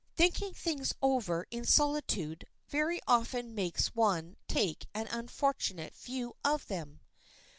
Thinking things over in solitude very often makes one take an unfortunate view of them.